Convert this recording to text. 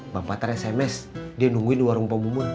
bang patar sms dia nungguin di warung pembumun